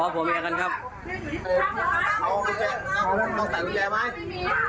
ผัวเมียกันครับ